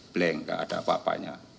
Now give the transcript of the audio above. blank nggak ada apa apanya